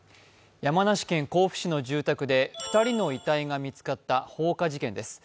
山梨県甲府市の住宅で２人の遺体が見つかった放火事件です。